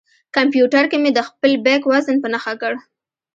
کمپیوټر کې مې د خپل بیک وزن په نښه کړ.